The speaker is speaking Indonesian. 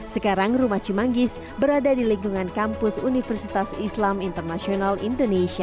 sekarang rumah cimanggis berada di lingkungan kampus universitas islam internasional indonesia